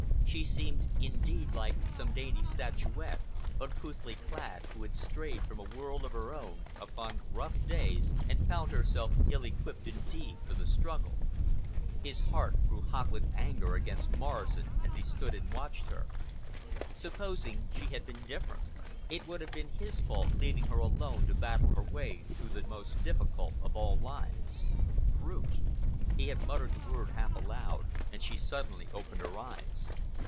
She seemed, indeed, like some dainty statuette, uncouthly clad, who had strayed from a world of her own upon rough days and found herself ill equipped indeed for the struggle. His heart grew hot with anger against Morrison as he stood and watched her. Supposing she had been different! It would have been his fault, leaving her alone to battle her way through the most difficult of all lives. Brute! He had muttered the word half aloud and she suddenly opened her eyes.